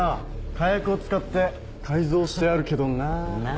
火薬を使って改造してあるけどなあなあ？